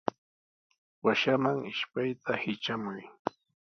Washaman ishpayta hitramuy.